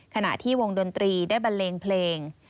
ขณะที่วงดนตรีได้บันเลงเพลง